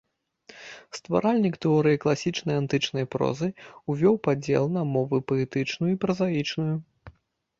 Стваральнік тэорыі класічнай антычнай прозы, увёў падзел на мовы паэтычную і празаічную.